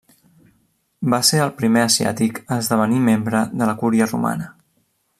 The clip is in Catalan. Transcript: Va ser el primer asiàtic a esdevenir membre de la Cúria Romana.